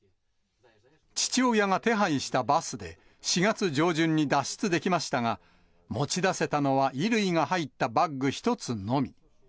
父親が手配したバスで、４月上旬に脱出できましたが、持ち出せたのは衣類が入ったバッグ１つのみ。